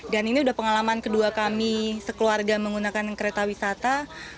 dan ini sudah pengalaman kedua kami sekeluarga menggunakan kereta wisata